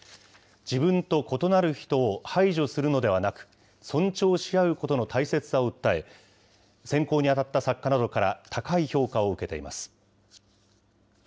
自分と異なる人を排除するのではなく、尊重し合うことの大切さを訴え、選考に当たった作家などから高い評価を受けています。